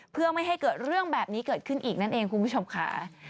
เพื่อไม่ให้เกิดเรื่องแบบนี้เกิดขึ้นอีกนั่นเองคุณผู้ชมค่ะ